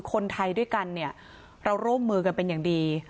คนไทยด้วยกันเนี่ยเราร่วมมือกันเป็นอย่างดี